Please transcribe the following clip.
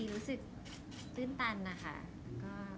รู้สึกตื้นตันนะคะ